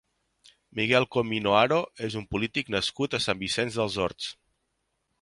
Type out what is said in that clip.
Miguel Comino Haro és un polític nascut a Sant Vicenç dels Horts.